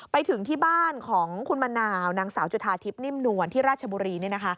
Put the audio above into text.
ไปถึงที่บ้านของคุณมะนาวนางสาวจุธาทิพย์นิ่มนวลที่ราชบุรี